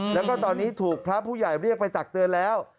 แล้วก็ตอนนี้ถูกพระผู้ใหญ่เรียกไปตักเตือนแล้ว